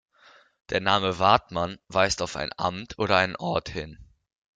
Der Name "Wartmann" weist auf ein Amt oder einen Ort hin.